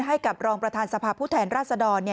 ให้กับรองประธานสภาพผู้แทนราชดร